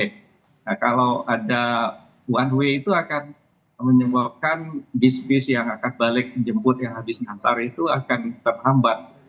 nah kalau ada one way itu akan menyebabkan bis bis yang akan balik menjemput yang habis nantar itu akan terhambat